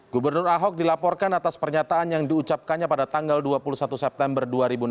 gubernur ahok dilaporkan atas pernyataan yang diucapkannya pada tanggal dua puluh satu september dua ribu enam belas